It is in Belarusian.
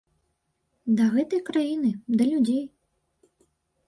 Да гэтай краіны, да людзей.